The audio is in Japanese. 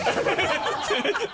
ハハハ